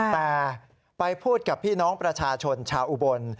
แต่ไปพูดกับพี่น้องประชาชนชาวอุบล